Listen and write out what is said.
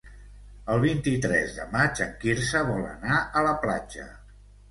El vint-i-tres de maig en Quirze vol anar a la platja.